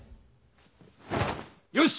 よし！